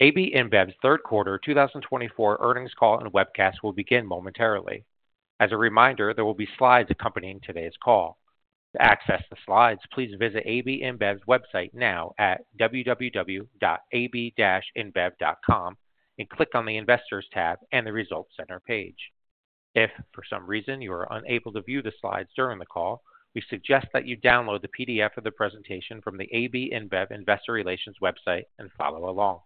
AB InBev's third quarter 2024 earnings call and webcast will begin momentarily. As a reminder, there will be slides accompanying today's call. To access the slides, please visit AB InBev's website now at www.ab-inbev.com and click on the Investors tab and the Results Center page. If, for some reason, you are unable to view the slides during the call, we suggest that you download the PDF of the presentation from the AB InBev Investor Relations website and follow along.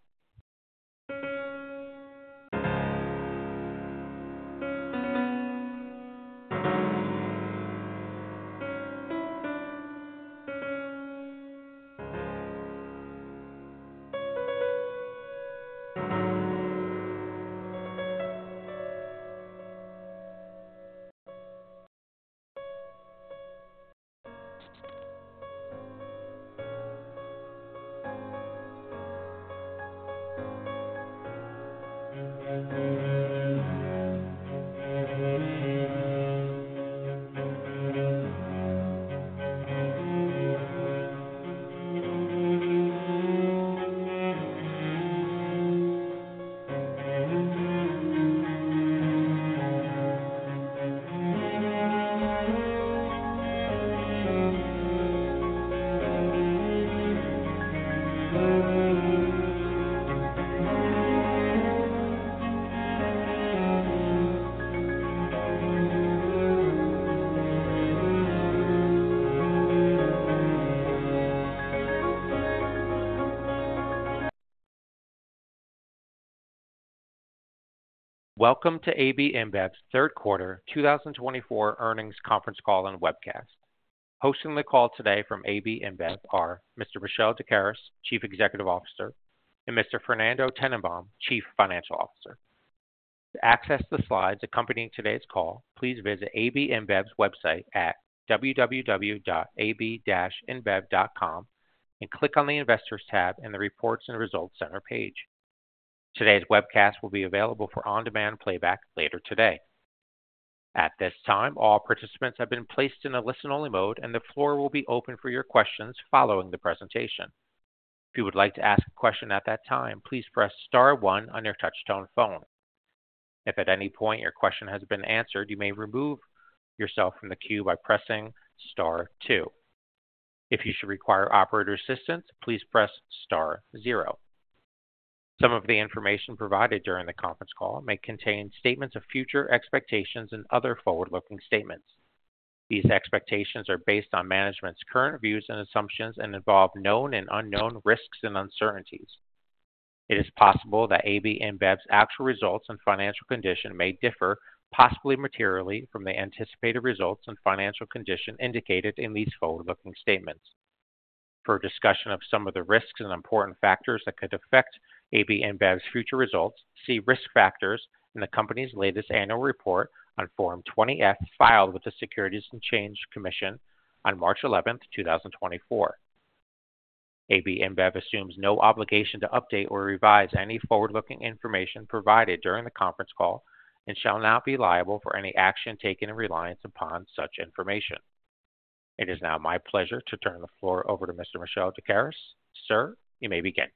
Welcome to AB InBev's third quarter 2024 earnings conference call and webcast. Hosting the call today from AB InBev are Mr. Michel Doukeris, Chief Executive Officer, and Mr. Fernando Tennenbaum, Chief Financial Officer. To access the slides accompanying today's call, please visit AB InBev's website at www.ab-inbev.com and click on the Investors tab and the Reports and Results Center page. Today's webcast will be available for on-demand playback later today. At this time, all participants have been placed in a listen-only mode, and the floor will be open for your questions following the presentation. If you would like to ask a question at that time, please press Star 1 on your touch-tone phone. If at any point your question has been answered, you may remove yourself from the queue by pressing Star 2. If you should require operator assistance, please press Star 0. Some of the information provided during the conference call may contain statements of future expectations and other forward-looking statements. These expectations are based on management's current views and assumptions and involve known and unknown risks and uncertainties. It is possible that AB InBev's actual results and financial condition may differ, possibly materially, from the anticipated results and financial condition indicated in these forward-looking statements. For a discussion of some of the risks and important factors that could affect AB InBev's future results, see Risk Factors in the company's latest annual report on Form 20-F filed with the Securities and Exchange Commission on March 11, 2024. AB InBev assumes no obligation to update or revise any forward-looking information provided during the conference call and shall not be liable for any action taken in reliance upon such information. It is now my pleasure to turn the floor over to Mr. Michel Doukeris. Sir, you may begin.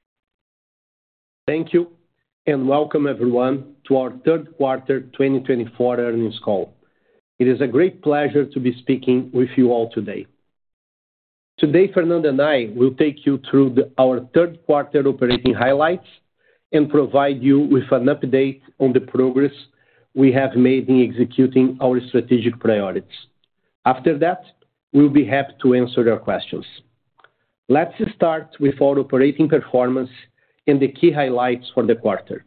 Thank you and welcome, everyone, to our third quarter 2024 earnings call. It is a great pleasure to be speaking with you all today. Today, Fernando and I will take you through our third quarter operating highlights and provide you with an update on the progress we have made in executing our strategic priorities. After that, we'll be happy to answer your questions. Let's start with our operating performance and the key highlights for the quarter.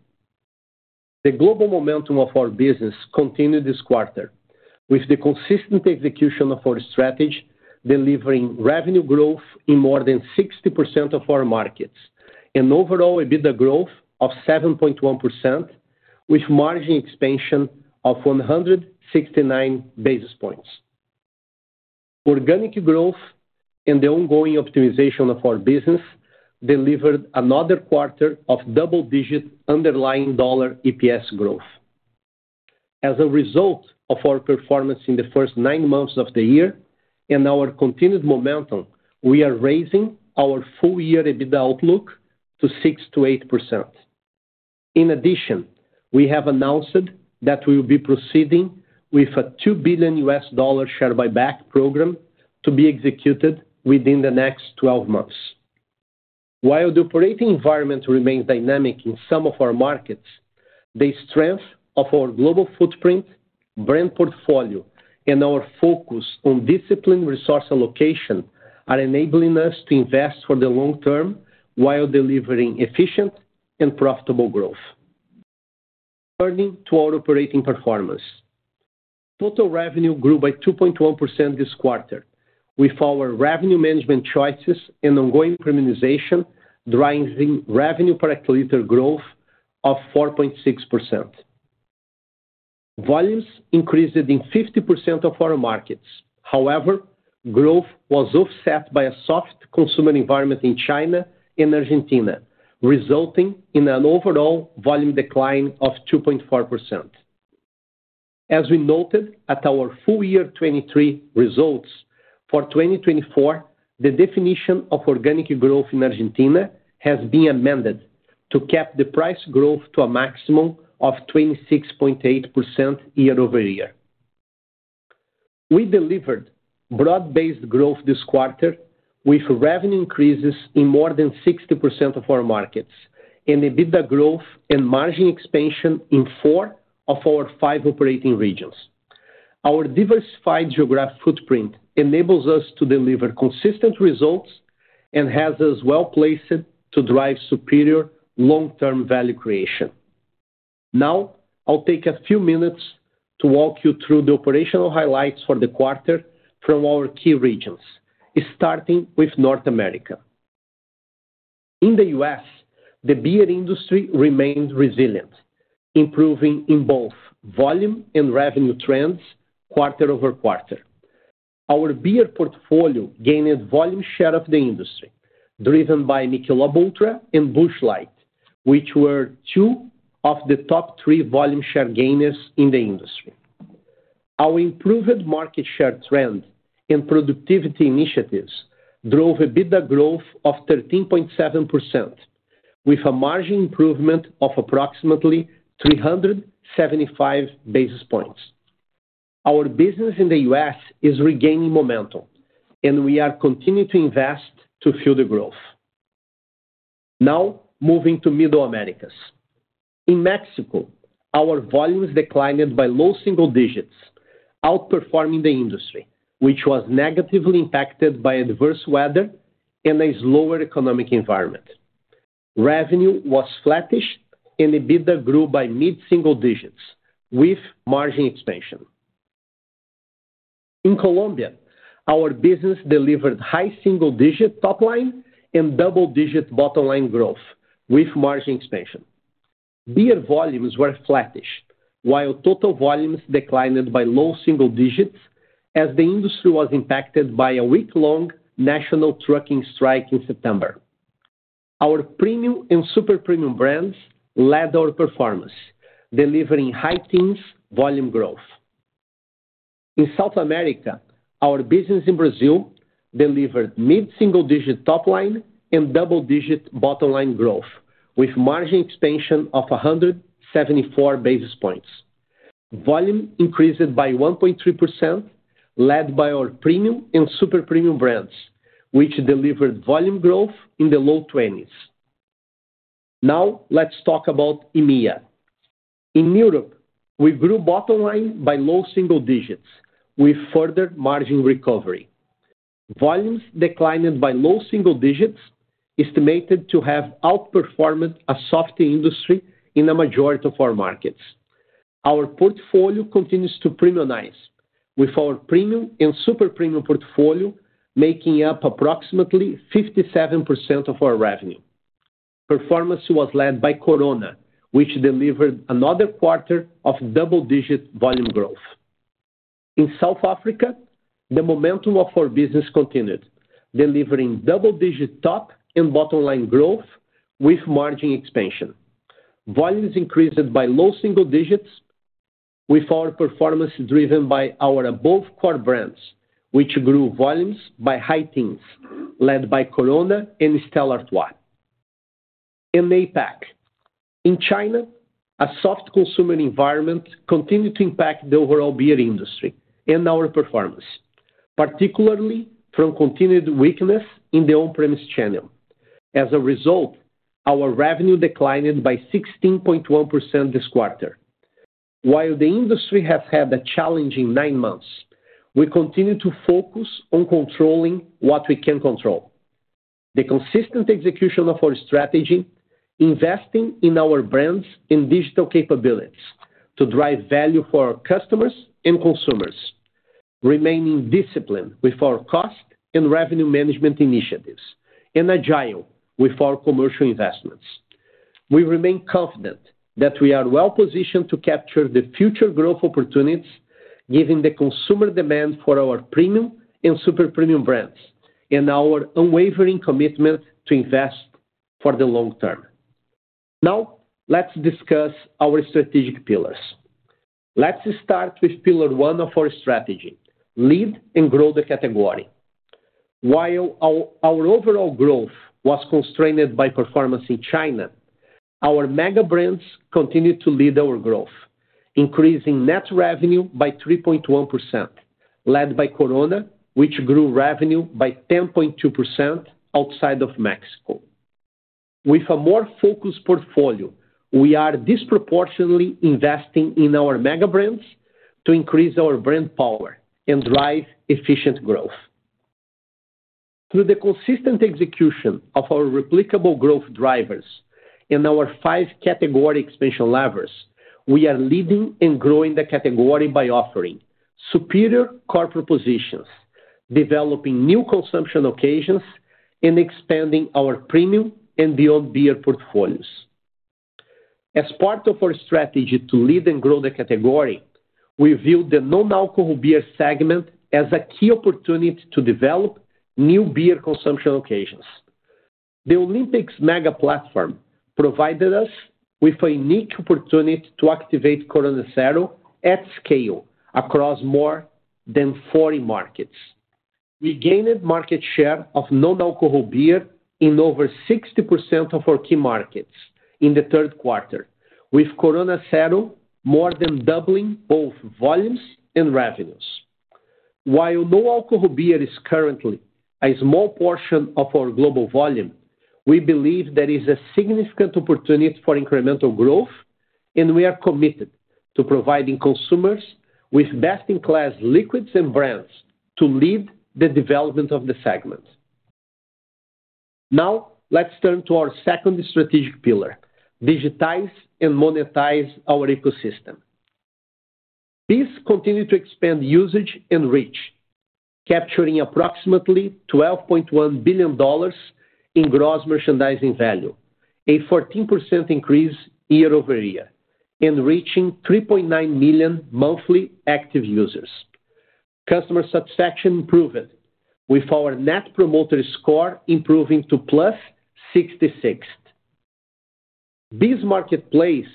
The global momentum of our business continued this quarter with the consistent execution of our strategy, delivering revenue growth in more than 60% of our markets and overall EBITDA growth of 7.1%, with margin expansion of 169 basis points. Organic growth and the ongoing optimization of our business delivered another quarter of double-digit underlying dollar EPS growth. As a result of our performance in the first nine months of the year and our continued momentum, we are raising our full-year EBITDA outlook to 6%-8%. In addition, we have announced that we will be proceeding with a $2 billion share buyback program to be executed within the next 12 months. While the operating environment remains dynamic in some of our markets, the strength of our global footprint, brand portfolio, and our focus on disciplined resource allocation are enabling us to invest for the long term while delivering efficient and profitable growth. Turning to our operating performance, total revenue grew by 2.1% this quarter with our revenue management choices and ongoing premiumization driving revenue per hectoliter growth of 4.6%. Volumes increased in 50% of our markets. However, growth was offset by a soft consumer environment in China and Argentina, resulting in an overall volume decline of 2.4%. As we noted at our full-year 2023 results, for 2024, the definition of organic growth in Argentina has been amended to cap the price growth to a maximum of 26.8% year-over-year. We delivered broad-based growth this quarter with revenue increases in more than 60% of our markets and EBITDA growth and margin expansion in four of our five operating regions. Our diversified geographic footprint enables us to deliver consistent results and has us well-placed to drive superior long-term value creation. Now, I'll take a few minutes to walk you through the operational highlights for the quarter from our key regions, starting with North America. In the U.S., the beer industry remained resilient, improving in both volume and revenue trends quarter over quarter. Our beer portfolio gained volume share of the industry, driven by Michelob Ultra and Busch Light, which were two of the top three volume share gainers in the industry. Our improved market share trend and productivity initiatives drove EBITDA growth of 13.7%, with a margin improvement of approximately 375 basis points. Our business in the U.S. is regaining momentum, and we are continuing to invest to fuel the growth. Now, moving to Middle Americas. In Mexico, our volumes declined by low single digits, outperforming the industry, which was negatively impacted by adverse weather and a slower economic environment. Revenue was flattish, and EBITDA grew by mid-single digits with margin expansion. In Colombia, our business delivered high single-digit top line and double-digit bottom line growth with margin expansion. Beer volumes were flatish, while total volumes declined by low single digits as the industry was impacted by a week-long national trucking strike in September. Our premium and super premium brands led our performance, delivering high teens volume growth. In South America, our business in Brazil delivered mid-single digit top line and double-digit bottom line growth with margin expansion of 174 basis points. Volume increased by 1.3%, led by our premium and super premium brands, which delivered volume growth in the low 20s. Now, let's talk about EMEA. In Europe, we grew bottom line by low single digits with further margin recovery. Volumes declined by low single digits, estimated to have outperformed a soft industry in the majority of our markets. Our portfolio continues to premiumize, with our premium and super premium portfolio making up approximately 57% of our revenue. Performance was led by Corona, which delivered another quarter of double-digit volume growth. In South Africa, the momentum of our business continued, delivering double-digit top and bottom line growth with margin expansion. Volumes increased by low single digits, with our performance driven by our above-core brands, which grew volumes by high teens, led by Corona and Stella Artois. In APAC. In China, a soft consumer environment continued to impact the overall beer industry and our performance, particularly from continued weakness in the on-premise channel. As a result, our revenue declined by 16.1% this quarter. While the industry has had a challenging nine months, we continue to focus on controlling what we can control: the consistent execution of our strategy, investing in our brands and digital capabilities to drive value for our customers and consumers, remaining disciplined with our cost and revenue management initiatives, and agile with our commercial investments. We remain confident that we are well-positioned to capture the future growth opportunities, given the consumer demand for our premium and super premium brands, and our unwavering commitment to invest for the long term. Now, let's discuss our strategic pillars. Let's start with Pillar One of our strategy: lead and grow the category. While our overall growth was constrained by performance in China, our mega brands continued to lead our growth, increasing net revenue by 3.1%, led by Corona, which grew revenue by 10.2% outside of Mexico. With a more focused portfolio, we are disproportionately investing in our mega brands to increase our brand power and drive efficient growth. Through the consistent execution of our replicable growth drivers and our five category expansion levers, we are leading and growing the category by offering superior consumer positions, developing new consumption occasions, and expanding our premium and beyond beer portfolios. As part of our strategy to lead and grow the category, we view the non-alcohol beer segment as a key opportunity to develop new beer consumption occasions. The Olympics Mega Platform provided us with a unique opportunity to activate Corona Cero at scale across more than 40 markets. We gained market share of non-alcohol beer in over 60% of our key markets in the third quarter, with Corona Cero more than doubling both volumes and revenues. While non-alcohol beer is currently a small portion of our global volume, we believe there is a significant opportunity for incremental growth, and we are committed to providing consumers with best-in-class liquids and brands to lead the development of the segment. Now, let's turn to our second strategic pillar: digitize and monetize our ecosystem. This continued to expand usage and reach, capturing approximately $12.1 billion in gross merchandise value, a 14% increase year over year, and reaching 3.9 million monthly active users. Customer satisfaction improved, with our Net Promoter Score improving to plus 66. This marketplace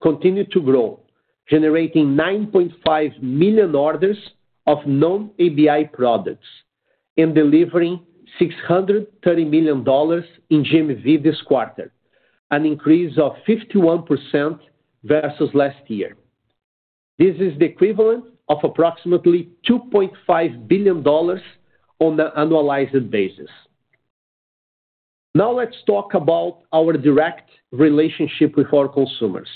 continued to grow, generating 9.5 million orders of non-ABI products and delivering $630 million in GMV this quarter, an increase of 51% versus last year. This is the equivalent of approximately $2.5 billion on an annualized basis. Now, let's talk about our direct relationship with our consumers.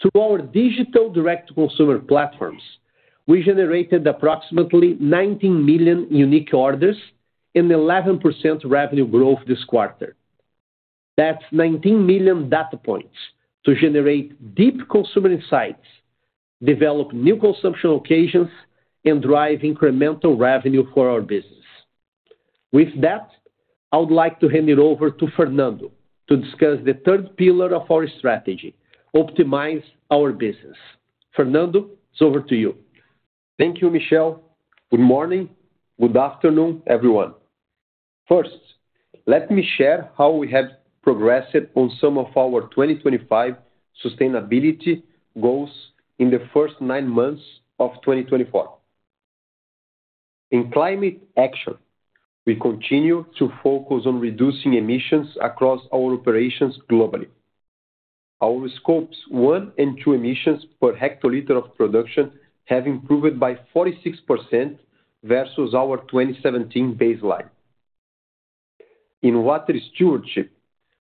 Through our digital direct-to-consumer platforms, we generated approximately 19 million unique orders and 11% revenue growth this quarter. That's 19 million data points to generate deep consumer insights, develop new consumption occasions, and drive incremental revenue for our business. With that, I would like to hand it over to Fernando to discuss the third pillar of our strategy: optimize our business. Fernando, it's over to you. Thank you, Michel. Good morning. Good afternoon, everyone. First, let me share how we have progressed on some of our 2025 sustainability goals in the first nine months of 2024. In climate action, we continue to focus on reducing emissions across our operations globally. Our Scope 1 and 2 emissions per hectoliter of production have improved by 46% versus our 2017 baseline. In water stewardship,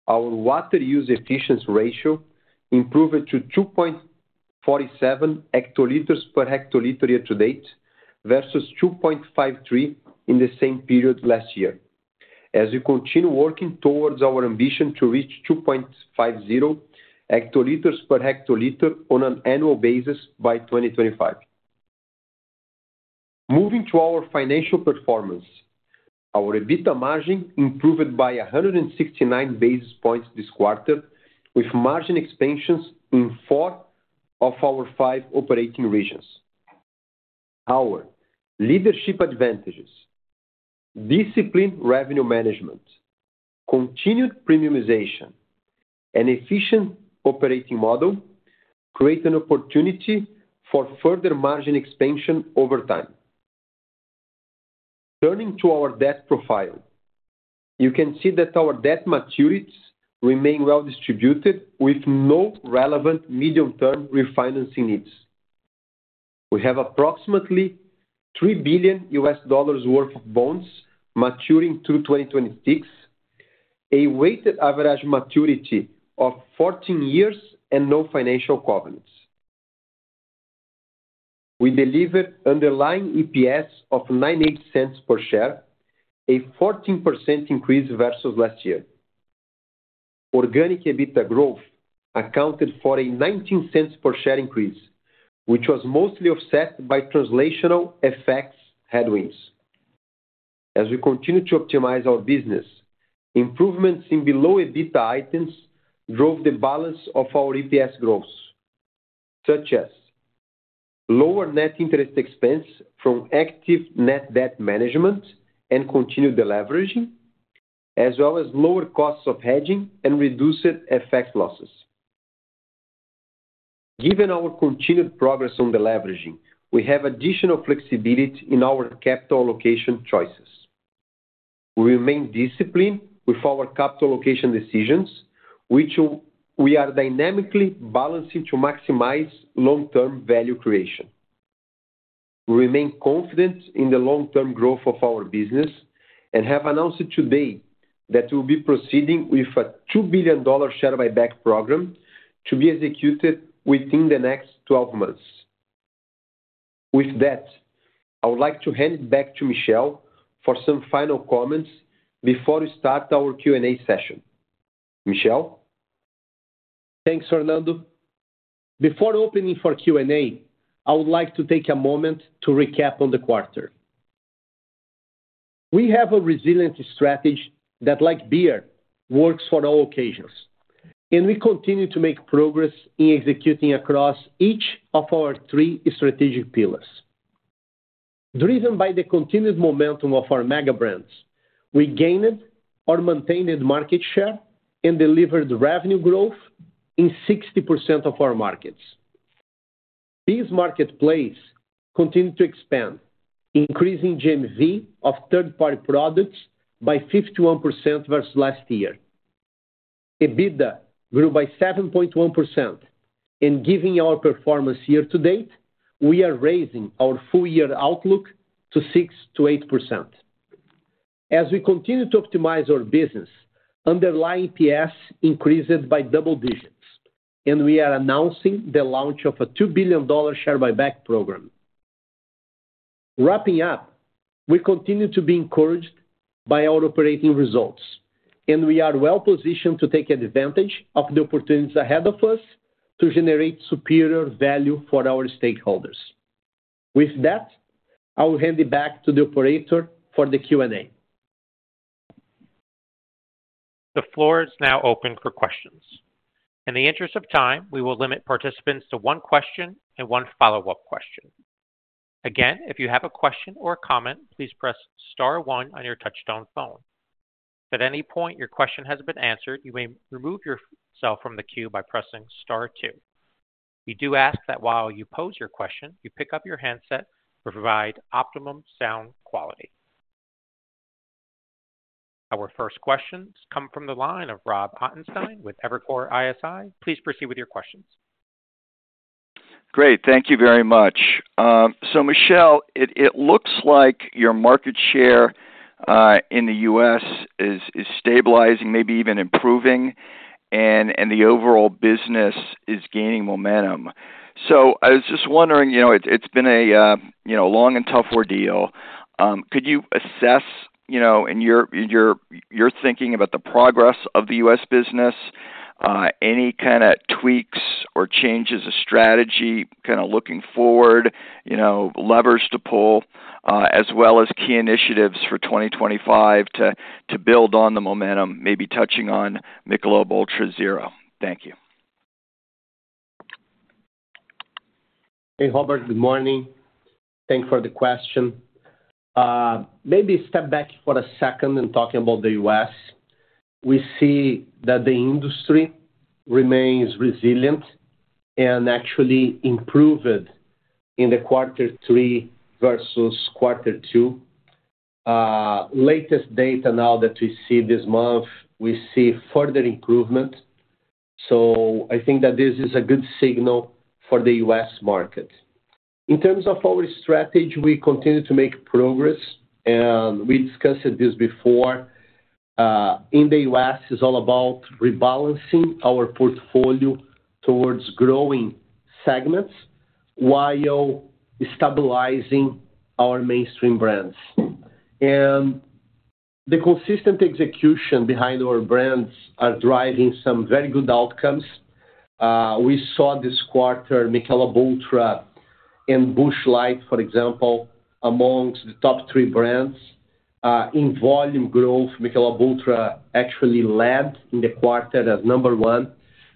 our water use efficiency ratio improved to 2.47 hectoliters per hectoliter year to date versus 2.53 in the same period last year, as we continue working towards our ambition to reach 2.50 hectoliters per hectoliter on an annual basis by 2025. Moving to our financial performance, our EBITDA margin improved by 169 basis points this quarter, with margin expansions in four of our five operating regions. Our leadership advantages: disciplined revenue management, continued premiumization, and efficient operating model create an opportunity for further margin expansion over time. Turning to our debt profile, you can see that our debt maturities remain well-distributed with no relevant medium-term refinancing needs. We have approximately $3 billion worth of bonds maturing through 2026, a weighted average maturity of 14 years, and no financial covenants. We delivered underlying EPS of $0.98 per share, a 14% increase versus last year. Organic EBITDA growth accounted for a $0.19 per share increase, which was mostly offset by translational effects headwinds. As we continue to optimize our business, improvements in below EBITDA items drove the balance of our EPS growth, such as lower net interest expense from active net debt management and continued leveraging, as well as lower costs of hedging and reduced FX losses. Given our continued progress on the leveraging, we have additional flexibility in our capital allocation choices. We remain disciplined with our capital allocation decisions, which we are dynamically balancing to maximize long-term value creation. We remain confident in the long-term growth of our business and have announced today that we will be proceeding with a $2 billion share buyback program to be executed within the next 12 months. With that, I would like to hand it back to Michel for some final comments before we start our Q&A session. Michel? Thanks, Fernando. Before opening for Q&A, I would like to take a moment to recap on the quarter. We have a resilient strategy that, like beer, works for all occasions, and we continue to make progress in executing across each of our three strategic pillars. Driven by the continued momentum of our Mega Brands, we gained or maintained market share and delivered revenue growth in 60% of our markets. This marketplace continued to expand, increasing GMV of third-party products by 51% versus last year. EBITDA grew by 7.1%, and given our performance year to date, we are raising our full-year outlook to 6-8%. As we continue to optimize our business, underlying EPS increased by double digits, and we are announcing the launch of a $2 billion share buyback program. Wrapping up, we continue to be encouraged by our operating results, and we are well-positioned to take advantage of the opportunities ahead of us to generate superior value for our stakeholders. With that, I will hand it back to the operator for the Q&A. The floor is now open for questions. In the interest of time, we will limit participants to one question and one follow-up question. Again, if you have a question or a comment, please press Star 1 on your touch-tone phone. If at any point your question has been answered, you may remove yourself from the queue by pressing Star 2. We do ask that while you pose your question, you pick up your handset to provide optimum sound quality. Our first questions come from the line of Robert Ottenstein with Evercore ISI. Please proceed with your questions. Great. Thank you very much. Michel, it looks like your market share in the U.S. is stabilizing, maybe even improving, and the overall business is gaining momentum. I was just wondering, it's been a long and tough ordeal. Could you assess, in your thinking about the progress of the U.S. business, any tweaks or changes of strategy looking forward, levers to pull, as well as key initiatives for 2025 to build on the momentum, maybe touching on Michelob Ultra Zero? Thank you. Hey, Robert. Good morning. Thanks for the question. Maybe step back for a second and talk about the U.S. We see that the industry remains resilient and actually improved in the quarter three versus quarter two. Latest data now that we see this month, we see further improvement. That this is a good signal for the U.S. market. In terms of our strategy, we continue to make progress, and we discussed this before. In the U.S., it's all about rebalancing our portfolio towards growing segments while stabilizing our mainstream brands. And the consistent execution behind our brands is driving some very good outcomes. We saw this quarter Michelob Ultra and Busch Light, for example, among the top three brands. In volume growth, Michelob Ultra actually led in the quarter as number one,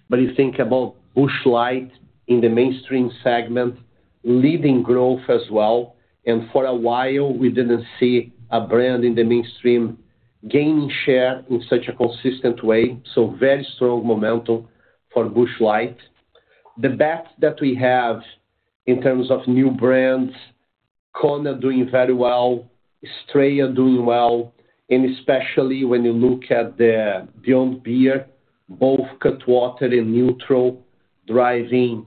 but you think about Busch Light in the mainstream segment, leading growth as well. And for a while, we didn't see a brand in the mainstream gaining share in such a consistent way. Very strong momentum for Busch Light. The bets that we have in terms of new brands, Kona doing very well, Estrella doing well, and especially when you look at the Beyond Beer, both Cutwater and Nütrl driving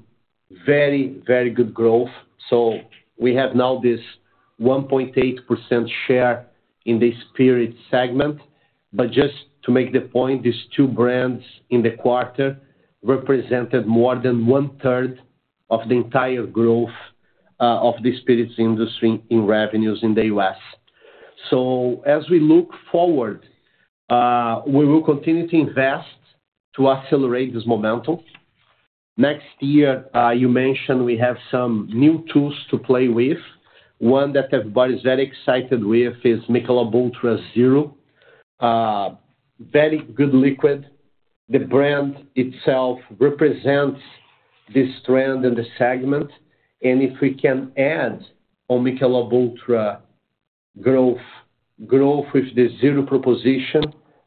very, very good growth. We have now this 1.8% share in the spirit segment. But just to make the point, these two brands in the quarter represented more than one-third of the entire growth of the spirits industry in revenues in the U.S. As we look forward, we will continue to invest to accelerate this momentum. Next year, you mentioned we have some new tools to play with. One that everybody's very excited with is Michelob Ultra Zero. Very good liquid. The brand itself represents this trend in the segment. And if we can add on Michelob Ultra growth with the Zero proposition,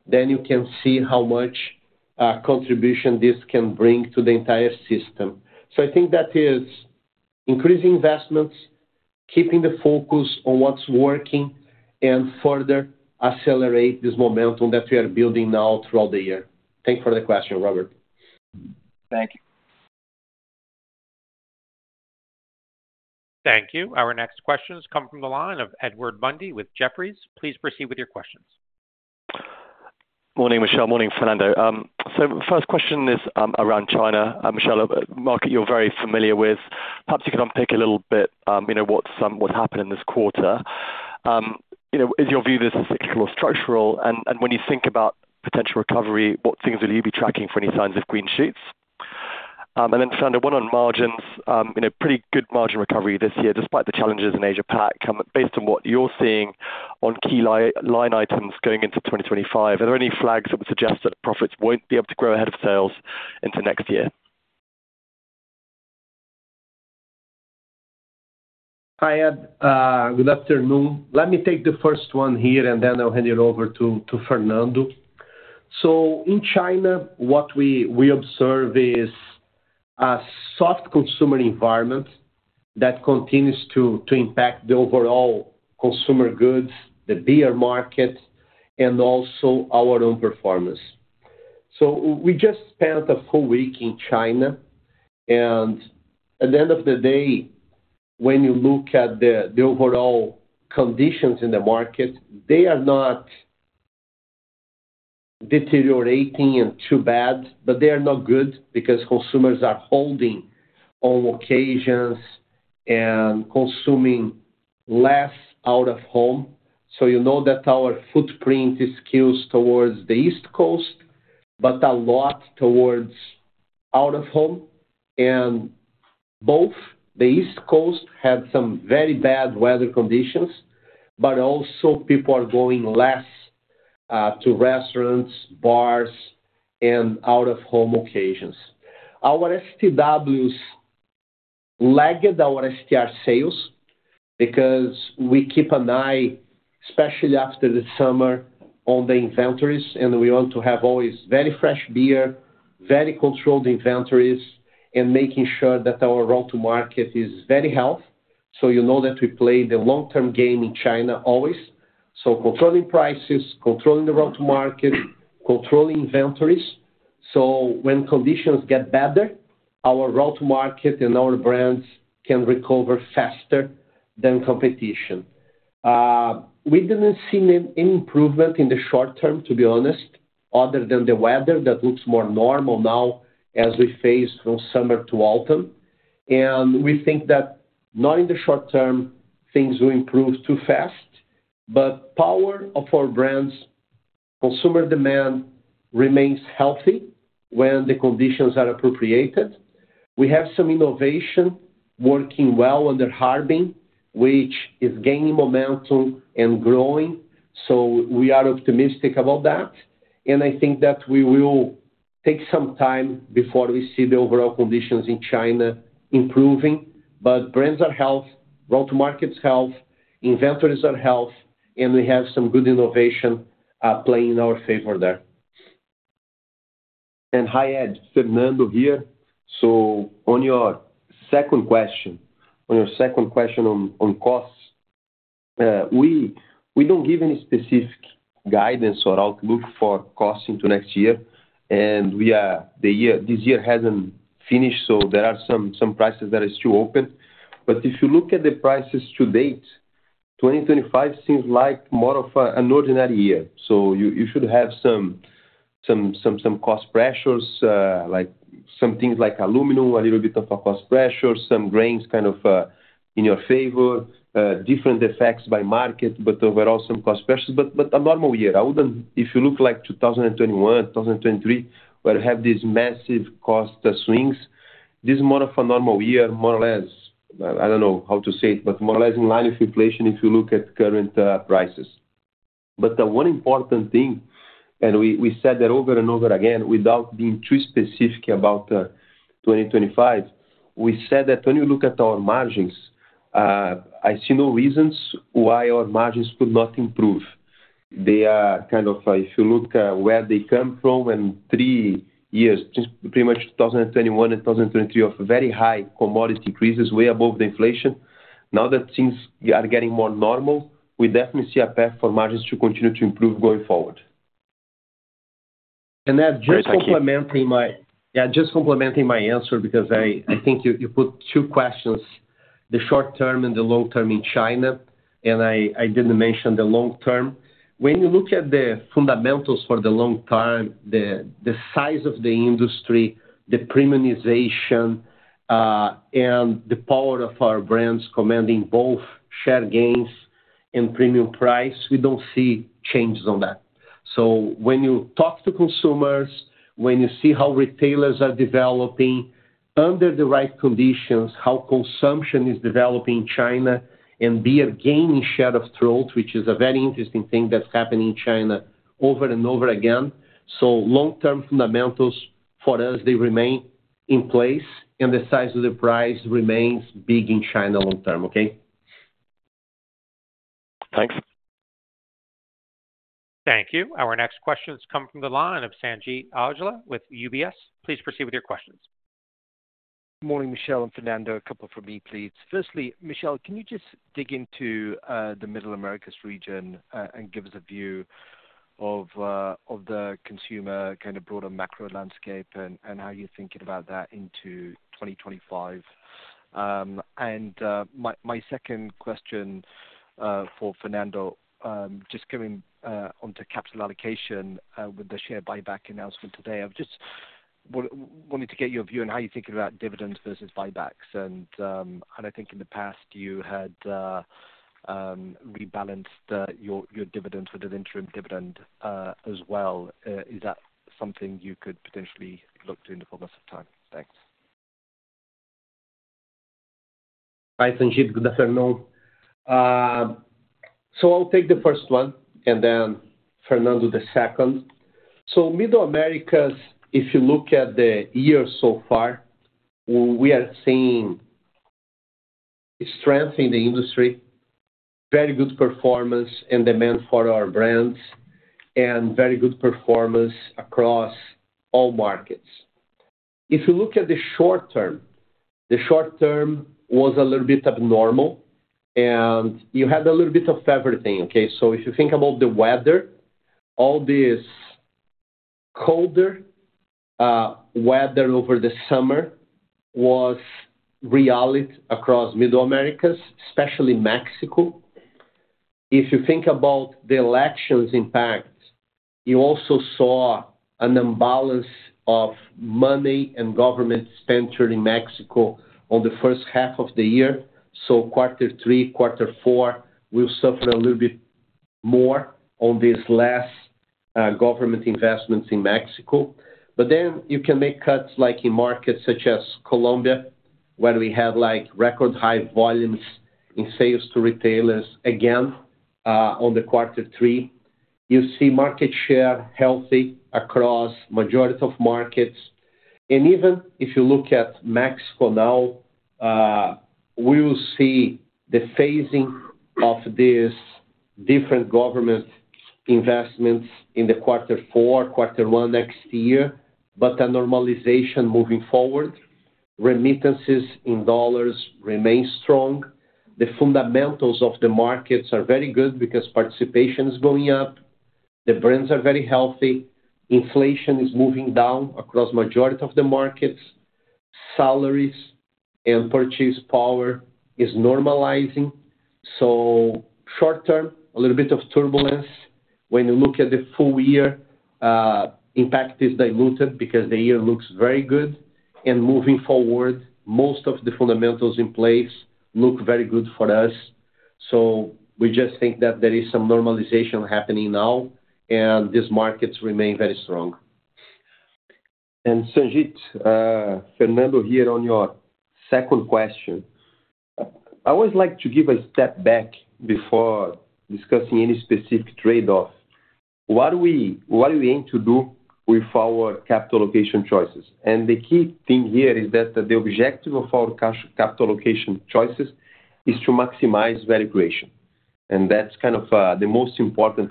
then you can see how much contribution this can bring to the entire system. That is increasing investments, keeping the focus on what's working, and further accelerate this momentum that we are building now throughout the year. Thank you for the question, Robert. Thank you. Thank you. Our next questions come from the line of Edward Mundy with Jefferies. Please proceed with your questions. Morning, Michel. Morning, Fernando. First question is around China. Michel, a market you're very familiar with. Perhaps you can unpick a little bit what's happened in this quarter. Is your view this cyclical or structural? And when you think about potential recovery, what things will you be tracking for any signs of green shoots? And then, Fernando, one on margins, pretty good margin recovery this year despite the challenges in Asia-Pac. Based on what you're seeing on key line items going into 2025, are there any flags that would suggest that profits won't be able to grow ahead of sales into next year? Hi, Ed. Good afternoon. Let me take the first one here, and then I'll hand it over to Fernando. In China, what we observe is a soft consumer environment that continues to impact the overall consumer goods, the beer market, and also our own performance. We just spent a full week in China. And at the end of the day, when you look at the overall conditions in the market, they are not deteriorating and too bad, but they are not good because consumers are holding on occasions and consuming less out of home. Our footprint is skewed towards the East Coast, but a lot towards out of home. And both the East Coast had some very bad weather conditions, but also people are going less to restaurants, bars, and out-of-home occasions. Our STWs lagged our STR sales because we keep an eye, especially after the summer, on the inventories, and we want to have always very fresh beer, very controlled inventories, and making sure that our road-to-market is very healthy. We play the long-term game in China always. Controlling prices, controlling the road-to-market, controlling inventories. When conditions get better, our road-to-market and our brands can recover faster than competition. We didn't see any improvement in the short term, to be honest, other than the weather that looks more normal now as we phase from summer to autumn. And we think that not in the short term things will improve too fast, but the power of our brands, consumer demand remains healthy when the conditions are appropriate. We have some innovation working well under Harbin, which is gaining momentum and growing. We are optimistic about that. We will take some time before we see the overall conditions in China improving. But brands are healthy, road-to-market is healthy, inventories are healthy, and we have some good innovation playing in our favor there. And hi Ed, Fernando here. On your second question, on your second question on costs, we don't give any specific guidance or outlook for costs into next year. And this year hasn't finished, so there are some prices that are still open. But if you look at the prices to date, 2025 seems like more of an ordinary year. You should have some cost pressures, some things like aluminum, a little bit of a cost pressure, some grains in your favor, different effects by market, but overall some cost pressures. But a normal year. If you look at 2021, 2023, where you have these massive cost swings, this is more of a normal year, more or less. I don't know how to say it, but more or less in line with inflation if you look at current prices. But one important thing, and we said that over and over again without being too specific about 2025, we said that when you look at our margins, I see no reasons why our margins could not improve. They are, if you look where they come from in three years, pretty much 2021 and 2023, of very high commodity increases way above the inflation. Now that things are getting more normal, we definitely see a path for margins to continue to improve going forward. Ed, just complementing my answer because you put two questions, the short term and the long term in China, and I didn't mention the long term. When you look at the fundamentals for the long term, the size of the industry, the premiumization, and the power of our brands commanding both share gains and premium price, we don't see changes on that. When you talk to consumers, when you see how retailers are developing under the right conditions, how consumption is developing in China, and beer gaining share of throat, which is a very interesting thing that's happening in China over and over again. Long-term fundamentals for us, they remain in place, and the size of the prize remains big in China long term, okay? Thanks. Thank you. Our next questions come from the line of Sanjeet Aujla with UBS. Please proceed with your questions. Morning, Michel and Fernando. A couple from me, please. Firstly, Michel, can you just dig into the Middle Americas region and give us a view of the consumer broader macro landscape and how you're thinking about that into 2025? And my second question for Fernando, just coming onto capital allocation with the share buyback announcement today, I just wanted to get your view on how you're thinking about dividends versus buybacks. In the past, you had rebalanced your dividends with an interim dividend as well. Is that something you could potentially look to in the form of some time? Thanks. Hi Sanjeet, good afternoon. I'll take the first one and then Fernando the second. Middle Americas, if you look at the year so far, we are seeing strength in the industry, very good performance and demand for our brands, and very good performance across all markets. If you look at the short term, the short term was a little bit abnormal, and you had a little bit of everything, okay? If you think about the weather, all this colder weather over the summer was reality across Middle Americas, especially Mexico. If you think about the elections impact, you also saw an imbalance of money and government spent during Mexico on the first half of the year. Quarter three, quarter four, we'll suffer a little bit more on these less government investments in Mexico. But then you can make cuts like in markets such as Colombia, where we had record high volumes in sales to retailers again on the quarter three. You see market share healthy across the majority of markets. And even if you look at Mexico now, we will see the phasing of these different government investments in the quarter four, quarter one next year, but a normalization moving forward. Remittances in dollars remain strong. The fundamentals of the markets are very good because participation is going up. The brands are very healthy. Inflation is moving down across the majority of the markets. Salaries and purchasing power are normalizing. Short term, a little bit of turbulence. When you look at the full year, impact is diluted because the year looks very good. And moving forward, most of the fundamentals in place look very good for us. We just think that there is some normalization happening now, and these markets remain very strong. And Sanjeet, Fernando here on your second question. I always like to take a step back before discussing any specific trade-off. What are we aiming to do with our capital allocation choices? And the key thing here is that the objective of our capital allocation choices is to maximize value creation. And that's the most important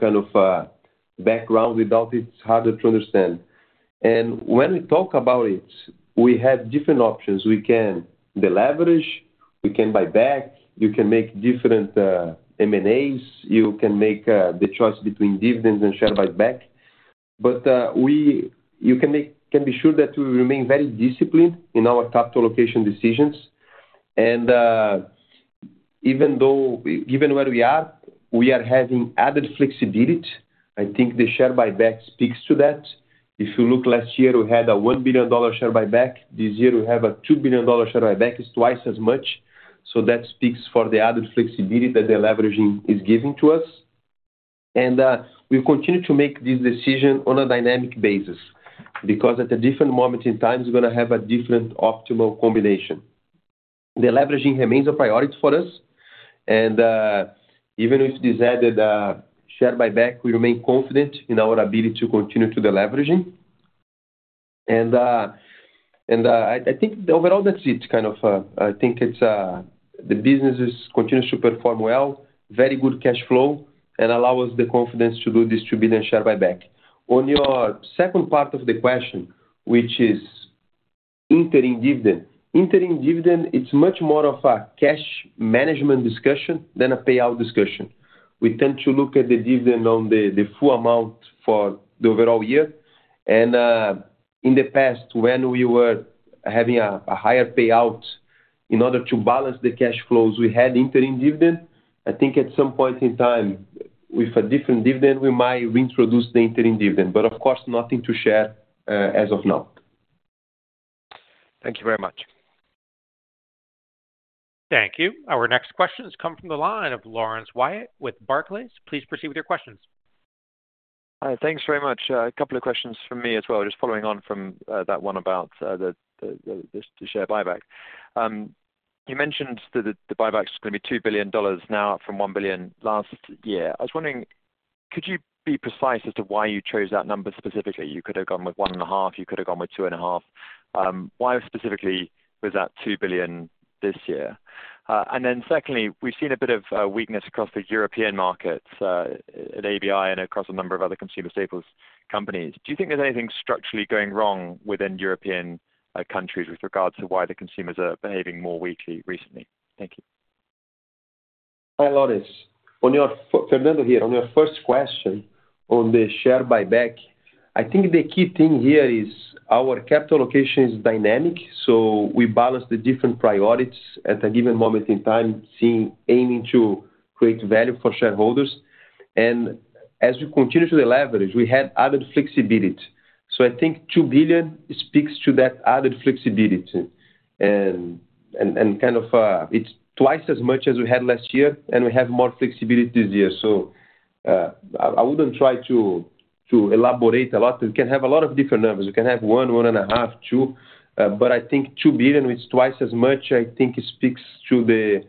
background without which it's harder to understand. And when we talk about it, we have different options. We can leverage, we can buy back, you can make different M&As, you can make the choice between dividends and share buyback. But you can be sure that we remain very disciplined in our capital allocation decisions. And even where we are, we are having added flexibility. The share buyback speaks to that. If you look last year, we had a $1 billion share buyback. This year, we have a $2 billion share buyback. It's twice as much. That speaks for the added flexibility that the leveraging is giving to us. And we continue to make this decision on a dynamic basis because at a different moment in time, we're going to have a different optimal combination. The leveraging remains a priority for us. And even if this added share buyback, we remain confident in our ability to continue to the leveraging. Overall, that's the businesses continue to perform well, very good cash flow, and allow us the confidence to do this $2 billion share buyback. On your second part of the question, which is interim dividend, interim dividend, it's much more of a cash management discussion than a payout discussion. We tend to look at the dividend on the full amount for the overall year. In the past, when we were having a higher payout in order to balance the cash flows, we had interim dividend. At some point in time, with a different dividend, we might reintroduce the interim dividend. But of course, nothing to share as of now. Thank you very much. Thank you. Our next questions come from the line of Laurence Whyatt with Barclays. Please proceed with your questions. Hi, thanks very much. A couple of questions from me as well. Just following on from that one about the share buyback. You mentioned that the buyback is going to be $2 billion now from $1 billion last year. I was wondering, could you be precise as to why you chose that number specifically? You could have gone with one and a half, you could have gone with two and a half. Why specifically was that $2 billion this year? And then secondly, we've seen a bit of weakness across the European markets at ABI and across a number of other consumer staples companies. Do you think there's anything structurally going wrong within European countries with regards to why the consumers are behaving more weakly recently? Thank you. Hi Laurence. Fernando here. On your first question on the share buyback, the key thing here is our capital allocation is dynamic. We balance the different priorities at a given moment in time, aiming to create value for shareholders. And as we continue to deleverage, we have added flexibility. $2 billion speaks to that added flexibility. And it's twice as much as we had last year, and we have more flexibility this year. I wouldn't try to elaborate a lot. We can have a lot of different numbers. We can have one, one and a half, two. $2 billion, it's twice as much. It speaks to the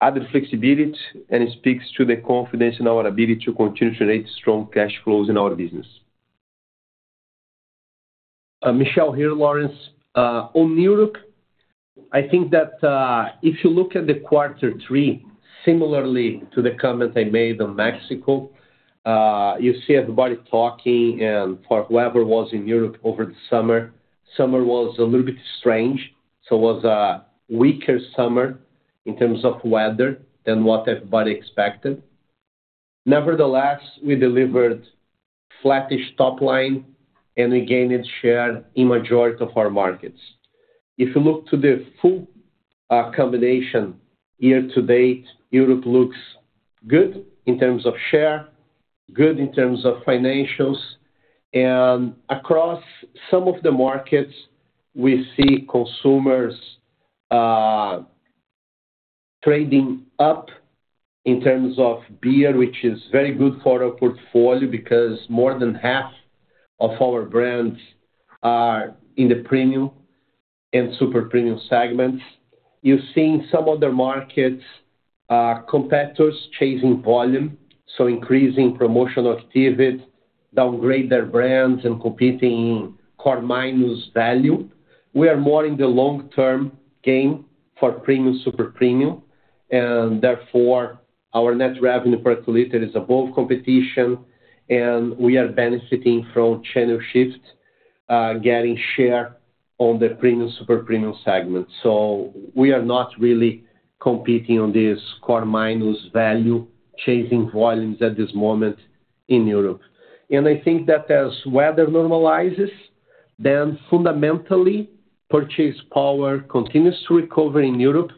added flexibility, and it speaks to the confidence in our ability to continue to create strong cash flows in our business. Michel here, Laurence. On New York, if you look at the quarter three, similarly to the comment I made on Mexico, you see everybody talking and for whoever was in New York over the summer, summer was a little bit strange. It was a weaker summer in terms of weather than what everybody expected. Nevertheless, we delivered flattish top line, and we gained share in majority of our markets. If you look to the full combination year to date, Europe looks good in terms of share, good in terms of financials. And across some of the markets, we see consumers trading up in terms of beer, which is very good for our portfolio because more than half of our brands are in the premium and super premium segments. You're seeing some other markets' competitors chasing volume, so increasing promotional activity, downgrading their brands, and competing in core minus value. We are more in the long-term game for premium, super premium. And therefore, our net revenue per liter is above competition, and we are benefiting from channel shift, getting share on the premium, super premium segment. We are not really competing on this core minus value, chasing volumes at this moment in Europe. As weather normalizes, then fundamentally, purchasing power continues to recover in Europe.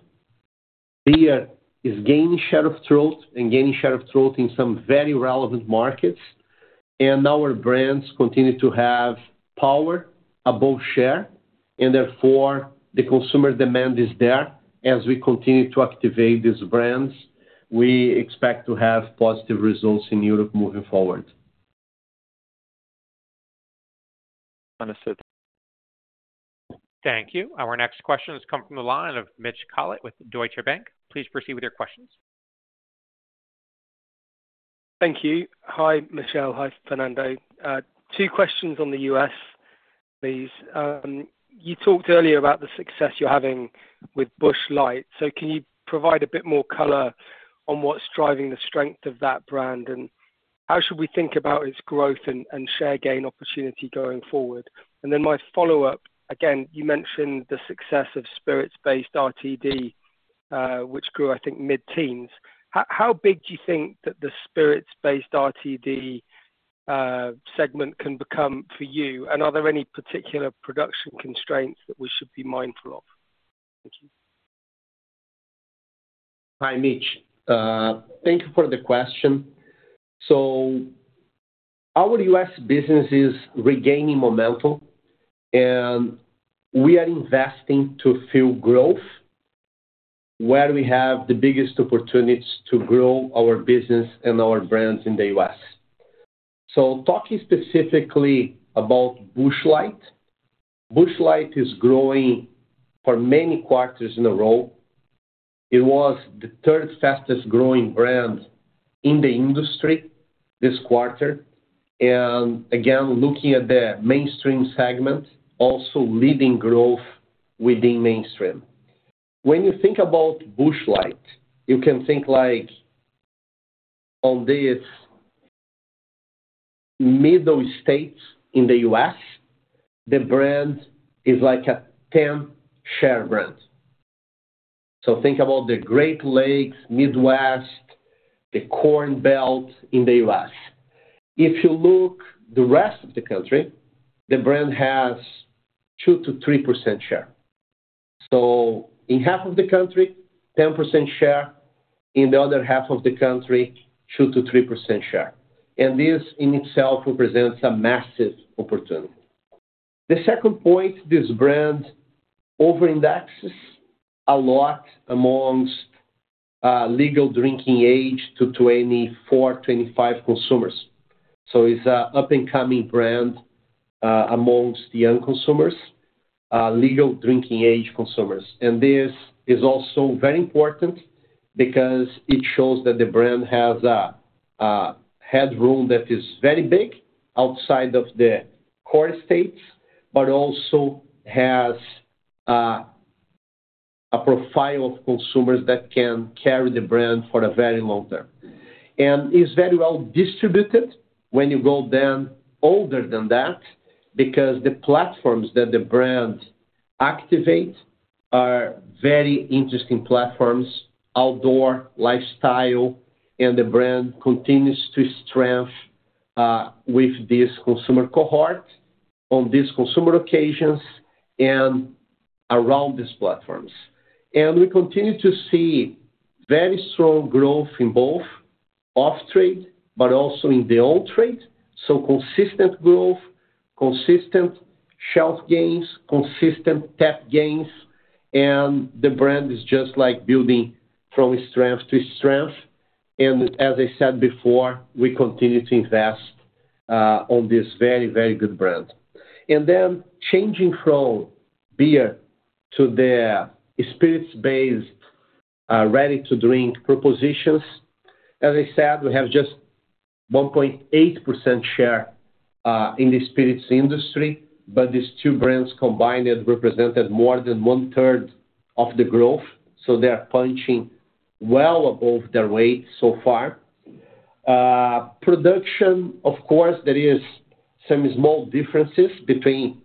Beer is gaining share of throat and gaining share of throat in some very relevant markets. And our brands continue to have power above share, and therefore, the consumer demand is there. As we continue to activate these brands, we expect to have positive results in Europe moving forward. Understood. Thank you. Our next question has come from the line of Mitch Collett with Deutsche Bank. Please proceed with your questions. Thank you. Hi, Michel. Hi, Fernando. Two questions on the U.S., please. You talked earlier about the success you're having with Busch Light. Can you provide a bit more color on what's driving the strength of that brand and how should we think about its growth and share gain opportunity going forward? And then my follow-up, again, you mentioned the success of spirits-based RTD, which grew mid-teens. How big do you think that the spirits-based RTD segment can become for you? Are there any particular production constraints that we should be mindful of? Thank you. Hi, Mitch. Thank you for the question. Our U.S. business is regaining momentum, and we are investing to fuel growth where we have the biggest opportunities to grow our business and our brands in the U.S. Talking specifically about Busch Light, Busch Light is growing for many quarters in a row. It was the third fastest-growing brand in the industry this quarter. And again, looking at the mainstream segment, also leading growth within mainstream. When you think about Busch Light, you can think like in the Midwest in the U.S., the brand is like a 10% share brand. Think about the Great Lakes, Midwest, the Corn Belt in the U.S. If you look at the rest of the country, the brand has 2%-3% share. In half of the country, 10% share. In the other half of the country, 2%-3% share. And this in itself represents a massive opportunity. The second point, this brand over-indexes a lot among legal drinking age to 24, 25 consumers. It's an up-and-coming brand among young consumers, legal drinking age consumers. And this is also very important because it shows that the brand has a headroom that is very big outside of the core states, but also has a profile of consumers that can carry the brand for a very long term. And it's very well distributed when you go then older than that because the platforms that the brand activates are very interesting platforms, outdoor, lifestyle, and the brand continues to strengthen with this consumer cohort on these consumer occasions and around these platforms. And we continue to see very strong growth in both off-trade, but also in the on-trade. Consistent growth, consistent shelf gains, consistent tap gains, and the brand is just like building from strength to strength. And as I said before, we continue to invest on this very, very good brand. And then changing from beer to the spirits-based ready-to-drink propositions. As I said, we have just 1.8% share in the spirits industry, but these two brands combined represented more than one-third of the growth. They are punching well above their weight so far. Production, of course, there are some small differences between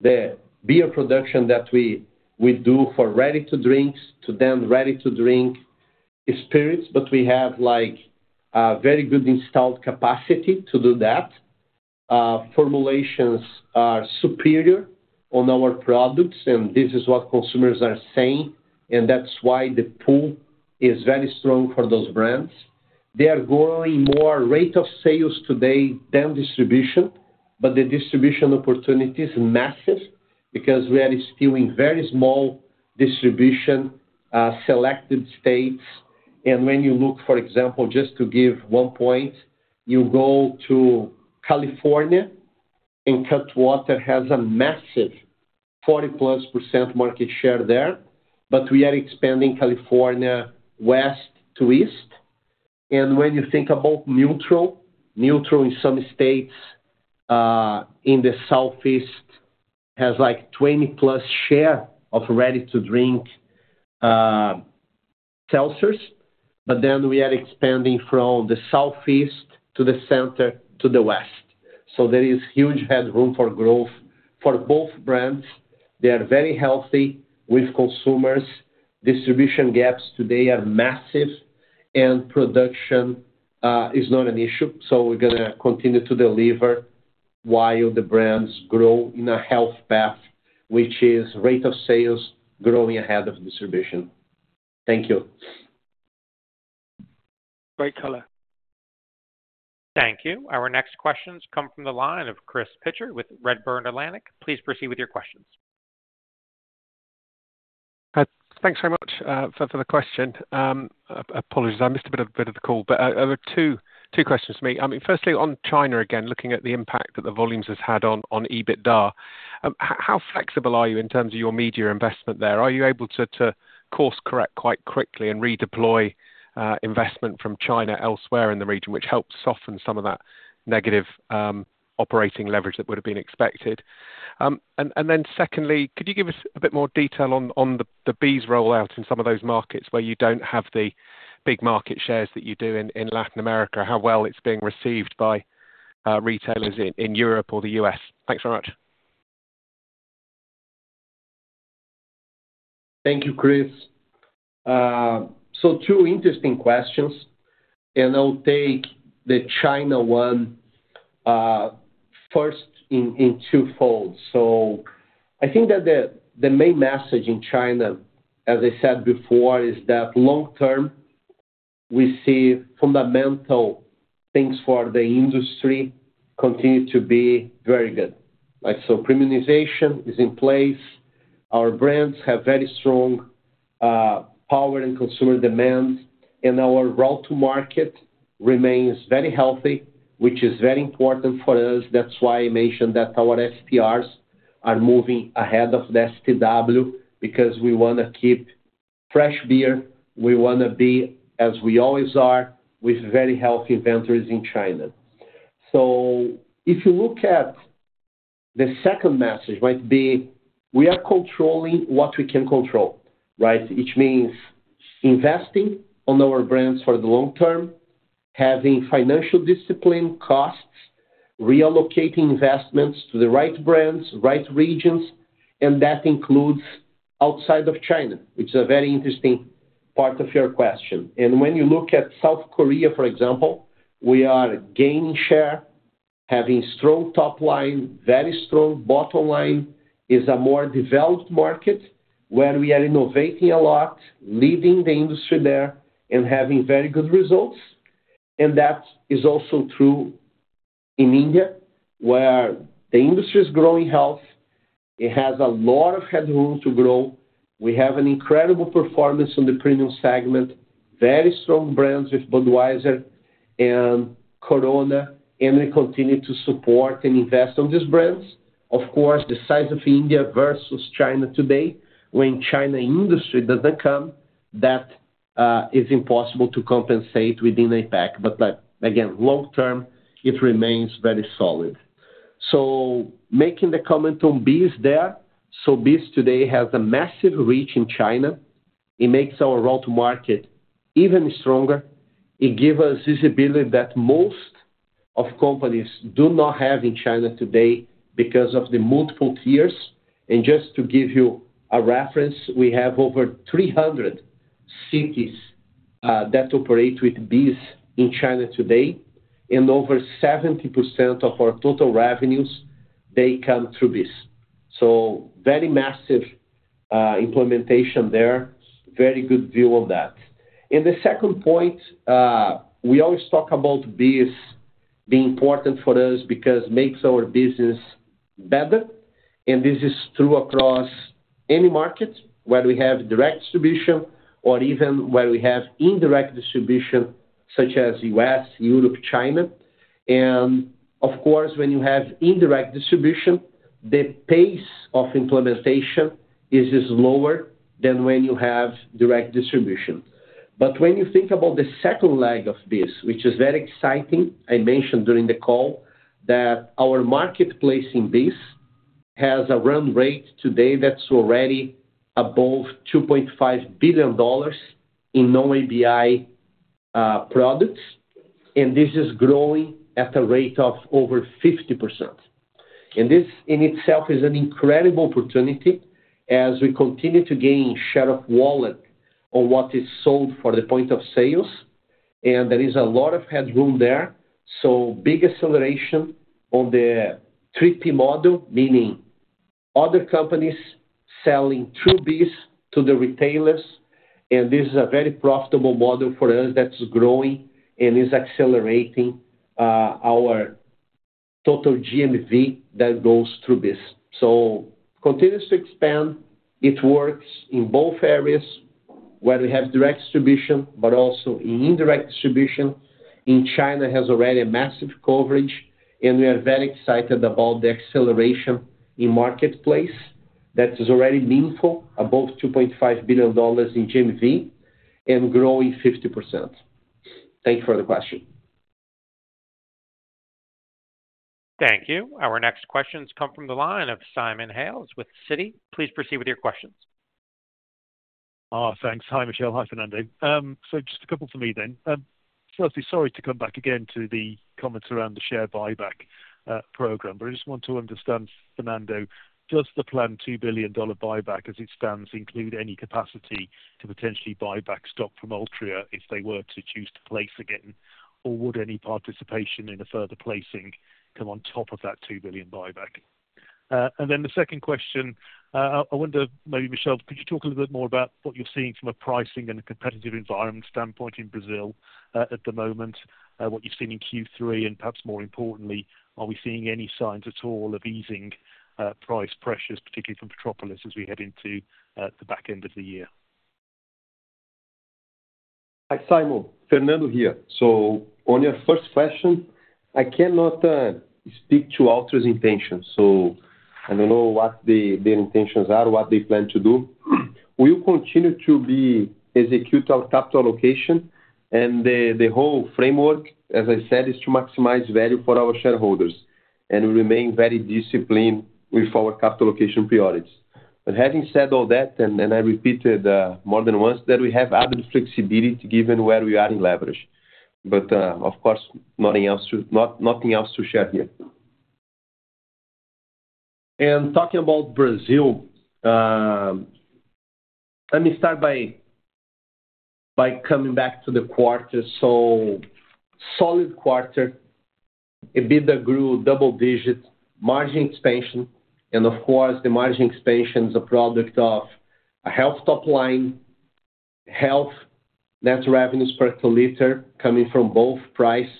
the beer production that we do for ready-to-drinks to then ready-to-drink spirits, but we have a very good installed capacity to do that. Formulations are superior on our products, and this is what consumers are saying, and that's why the pull is very strong for those brands. They are growing more rate of sales today than distribution, but the distribution opportunity is massive because we are still in very small distribution, selected states. When you look, for example, just to give one point, you go to California, and Cutwater has a massive 40+% market share there, but we are expanding California west to east. When you think about Nutrl, Nutrl in some states in the southeast has like 20+% share of ready-to-drink seltzers. We are expanding from the southeast to the center to the west. There is huge headroom for growth for both brands. They are very healthy with consumers. Distribution gaps today are massive, and production is not an issue. We're going to continue to deliver while the brands grow in a health path, which is rate of sales growing ahead of distribution. Thank you. Great color. Thank you. Our next questions come from the line of Chris Pitcher with Redburn Atlantic. Please proceed with your questions. Thanks very much for the question. Apologies, I missed a bit of the call, but two questions for me. Firstly, on China again, looking at the impact that the volumes have had on EBITDA, how flexible are you in terms of your media investment there? Are you able to course-correct quite quickly and redeploy investment from China elsewhere in the region, which helps soften some of that negative operating leverage that would have been expected? And then secondly, could you give us a bit more detail on the BEES rollout in some of those markets where you don't have the big market shares that you do in Latin America, how well it's being received by retailers in Europe or the U.S.? Thanks very much. Thank you, Chris. Two interesting questions, and I'll take the China one first in two folds. The main message in China, as I said before, is that long-term, we see fundamental things for the industry continue to be very good. Premiumization is in place. Our brands have very strong power and consumer demand, and our route to market remains very healthy, which is very important for us. That's why I mentioned that our STRs are moving ahead of the STW because we want to keep fresh beer. We want to be, as we always are, with very healthy inventories in China. If you look at the second message, it might be we are controlling what we can control. Which means investing on our brands for the long term, having financial discipline, costs, reallocating investments to the right brands, right regions, and that includes outside of China, which is a very interesting part of your question. And when you look at South Korea, for example, we are gaining share, having strong top line, very strong bottom line; it is a more developed market where we are innovating a lot, leading the industry there, and having very good results. And that is also true in India, where the industry is growing healthy. It has a lot of headroom to grow. We have an incredible performance on the premium segment, very strong brands with Budweiser and Corona, and we continue to support and invest on these brands. Of course, the size of India versus China today, when China industry doesn't come, that is impossible to compensate within APAC. But again, long-term, it remains very solid. Making the comment on BEES there, so BEES today has a massive reach in China. It makes our route to market even stronger. It gives us visibility that most of companies do not have in China today because of the multiple tiers. And just to give you a reference, we have over 300 cities that operate with BEES in China today, and over 70% of our total revenues, they come through BEES. Very massive implementation there, very good view on that. The second point, we always talk about BEES being important for us because it makes our business better. This is true across any market where we have direct distribution or even where we have indirect distribution, such as the U.S., Europe, China. When you have indirect distribution, the pace of implementation is lower than when you have direct distribution. When you think about the second leg of BEES, which is very exciting, I mentioned during the call that our marketplace in BEES has a run rate today that's already above $2.5 billion in non-ABI products, and this is growing at a rate of over 50%. This in itself is an incredible opportunity as we continue to gain share of wallet on what is sold for the point of sales, and there is a lot of headroom there. So big acceleration on the 3P model, meaning other companies selling through BEES to the retailers, and this is a very profitable model for us that's growing and is accelerating our total GMV that goes through BEES. Continues to expand. It works in both areas where we have direct distribution, but also in indirect distribution. In China, it has already a massive coverage, and we are very excited about the acceleration in marketplace that is already meaningful, above $2.5 billion in GMV and growing 50%. Thank you for the question. Thank you. Our next questions come from the line of Simon Hales with Citi. Please proceed with your questions. Thanks. Hi, Michel. Hi, Fernando. Just a couple for me then. Firstly, sorry to come back again to the comments around the share buyback program, but I just want to understand, Fernando, does the planned $2 billion buyback, as it stands, include any capacity to potentially buy back stock from Ultra if they were to choose to place again, or would any participation in a further placing come on top of that $2 billion buyback? And then the second question, I wonder maybe, Michel, could you talk a little bit more about what you're seeing from a pricing and a competitive environment standpoint in Brazil at the moment, what you've seen in Q3, and perhaps more importantly, are we seeing any signs at all of easing price pressures, particularly from Petrópolis as we head into the back end of the year? Hi, Simon. Fernando here. On your first question, I cannot speak to Ultra's intentions. I don't know what their intentions are, what they plan to do. We will continue to be executing our capital allocation, and the whole framework, as I said, is to maximize value for our shareholders, and we remain very disciplined with our capital allocation priorities. Having said all that, and I repeated more than once that we have added flexibility given where we are in leverage, but of course, nothing else to share here. Talking about Brazil, let me start by coming back to the quarter. Solid quarter, EBITDA grew double-digit, margin expansion, and of course, the margin expansion is a product of a healthy top line, healthy net revenues per liter coming from both price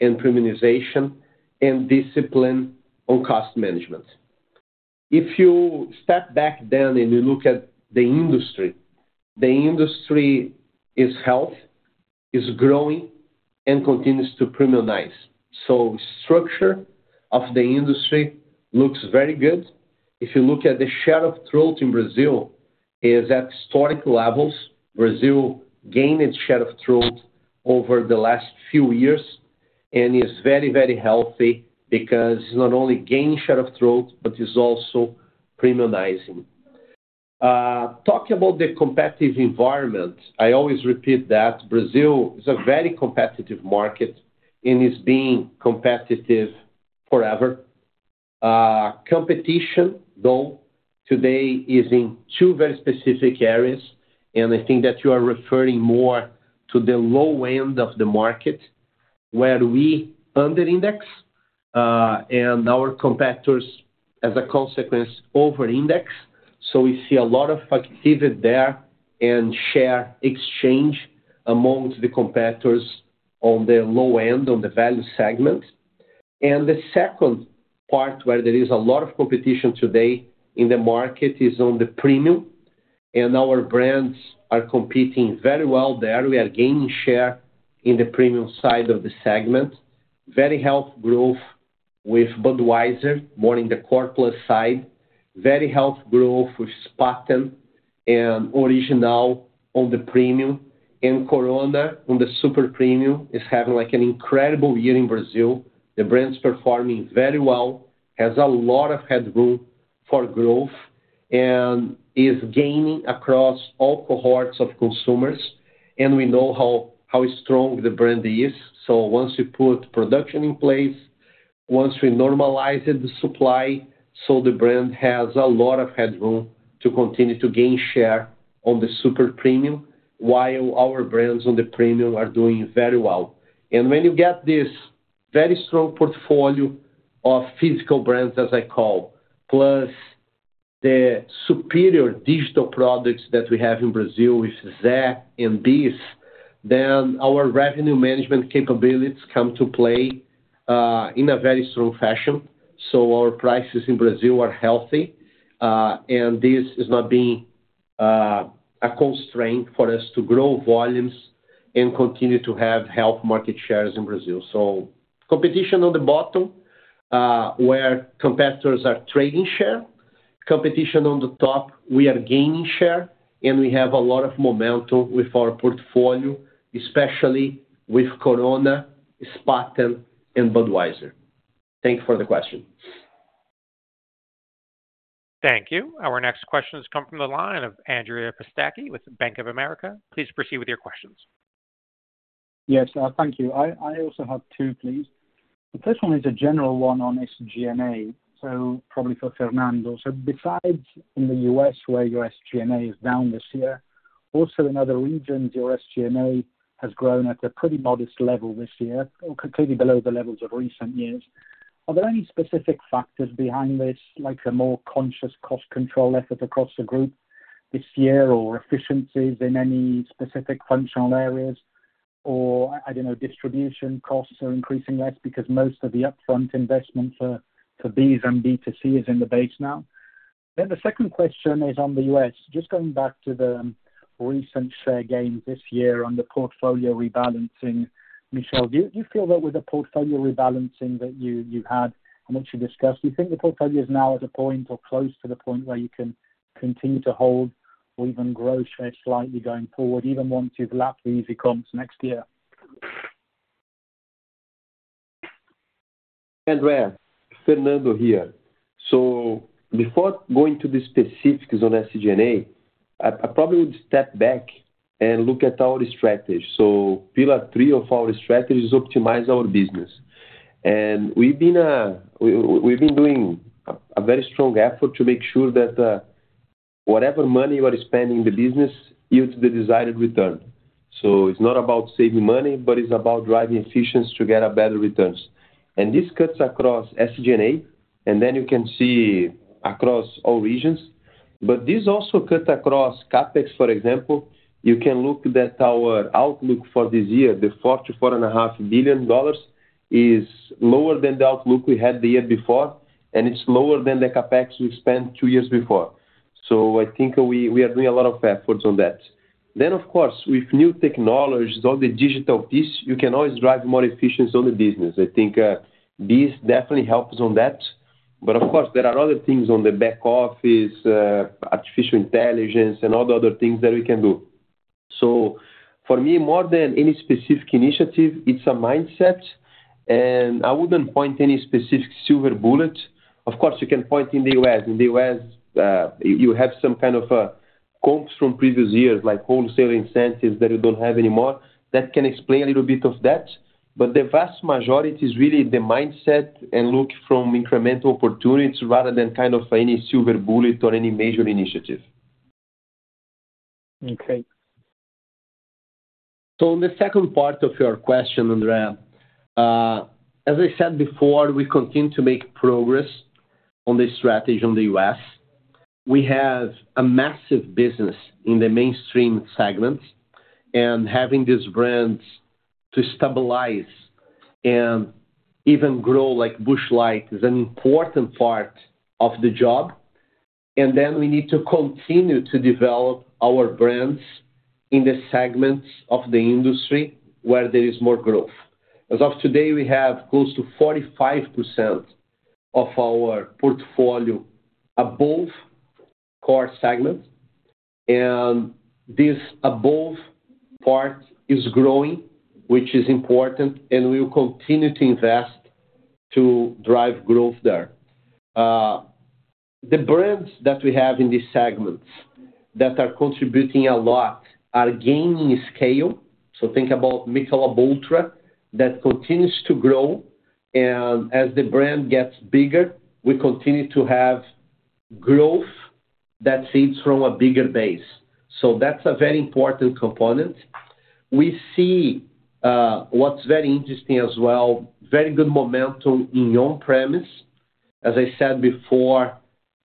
and premiumization and discipline on cost management. If you step back then and you look at the industry, the industry is healthy, is growing, and continues to premiumize. Structure of the industry looks very good. If you look at the share of throat in Brazil, it is at historic levels. Brazil gained its share of throat over the last few years, and it is very, very healthy because it's not only gaining share of throat, but it's also premiumizing. Talking about the competitive environment, I always repeat that Brazil is a very competitive market, and it's been competitive forever. Competition, though, today is in two very specific areas, and that you are referring more to the low end of the market where we underindex and our competitors, as a consequence, overindex. We see a lot of activity there and share exchange amongst the competitors on the low end, on the value segment. And the second part where there is a lot of competition today in the market is on the premium, and our brands are competing very well there. We are gaining share in the premium side of the segment, very healthy growth with Budweiser, more in the Corkless side, very healthy growth with Spaten and Original on the premium, and Corona on the super premium is having an incredible year in Brazil. The brand is performing very well, has a lot of headroom for growth, and is gaining across all cohorts of consumers, and we know how strong the brand is. Once we put production in place, once we normalize the supply, so the brand has a lot of headroom to continue to gain share on the super premium while our brands on the premium are doing very well. And when you get this very strong portfolio of physical brands, as I call, plus the superior digital products that we have in Brazil with Zé Delivery and BEES, then our revenue management capabilities come to play in a very strong fashion. Our prices in Brazil are healthy, and this is not being a constraint for us to grow volumes and continue to have healthy market shares in Brazil. Competition on the bottom where competitors are trading share, competition on the top, we are gaining share, and we have a lot of momentum with our portfolio, especially with Corona, Spaten, and Budweiser. Thank you for the question. Thank you. Our next questions come from the line of Andrea Pistacchi with Bank of America. Please proceed with your questions. Yes, thank you. I also have two, please. The first one is a general one on SG&A, so probably for Fernando. Besides in the U.S. where your SG&A is down this year, also in other regions, your SG&A has grown at a pretty modest level this year, completely below the levels of recent years. Are there any specific factors behind this, like a more conscious cost control effort across the group this year, or efficiencies in any specific functional areas, or, I don't know, distribution costs are increasing less because most of the upfront investment for BEES and B2C is in the base now? The second question is on the U.S. Just going back to the recent share gains this year on the portfolio rebalancing, Michel, do you feel that with the portfolio rebalancing that you had and what you discussed, do you think the portfolio is now at a point or close to the point where you can continue to hold or even grow share slightly going forward, even once you've lapped the easy comps next year? Andrea, Fernando here. Before going to the specifics on SG&A, I probably would step back and look at our strategy. Pillar three of our strategy is optimize our business. And we've been doing a very strong effort to make sure that whatever money you are spending in the business yields the desired return. It's not about saving money, but it's about driving efficiency to get better returns. And this cuts across SG&A, and then you can see across all regions. But this also cuts across CapEx, for example. You can look at our outlook for this year, the $4-$4.5 billion is lower than the outlook we had the year before, and it's lower than the CapEx we spent two years before. We are doing a lot of efforts on that. Then, of course, with new technologies, all the digital piece, you can always drive more efficiency on the business. BEES definitely help on that. But of course, there are other things on the back office, artificial intelligence, and all the other things that we can do. For me, more than any specific initiative, it's a mindset, and I wouldn't point any specific silver bullet. You can point in the U.S. In the U.S., you have some comps from previous years, like wholesale incentives that you don't have anymore. That can explain a little bit of that, but the vast majority is really the mindset and look from incremental opportunities rather than any silver bullet or any major initiative. In the second part of your question, Andrea, as I said before, we continue to make progress on the strategy in the U.S. We have a massive business in the mainstream segment, and having these brands to stabilize and even grow like Busch Light is an important part of the job, and then we need to continue to develop our brands in the segments of the industry where there is more growth. As of today, we have close to 45% of our portfolio above core segment, and this above part is growing, which is important, and we will continue to invest to drive growth there. The brands that we have in these segments that are contributing a lot are gaining scale. Think about Michelob Ultra that continues to grow, and as the brand gets bigger, we continue to have growth that feeds from a bigger base. That's a very important component. We see what's very interesting as well, very good momentum in on-premise. As I said before,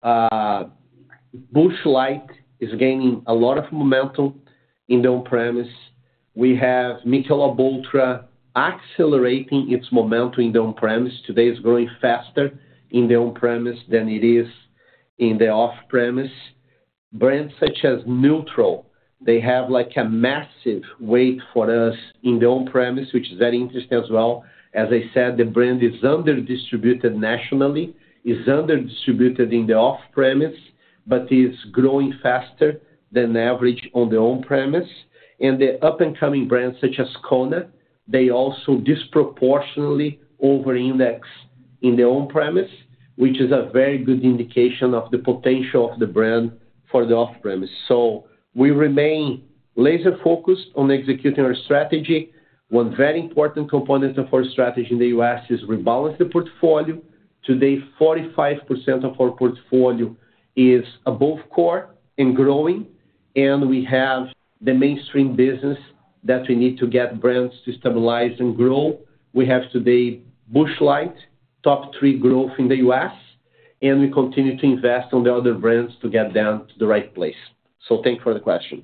Busch Light is gaining a lot of momentum in the on-premise. We have Michelob Ultra accelerating its momentum in the on-premise. Today, it's growing faster in the on-premise than it is in the off-premise. Brands such as Nutrl, they have a massive weight for us in the on-premise, which is very interesting as well. As I said, the brand is under-distributed nationally, is under-distributed in the off-premise, but is growing faster than average on the on-premise. The up-and-coming brands such as Kona, they also disproportionately overindex in the on-premise, which is a very good indication of the potential of the brand for the off-premise. We remain laser-focused on executing our strategy. One very important component of our strategy in the US is rebalancing the portfolio. Today, 45% of our portfolio is above core and growing, and we have the mainstream business that we need to get brands to stabilize and grow. We have today Busch Light, top three growth in the US, and we continue to invest on the other brands to get them to the right place. Thank you for the question.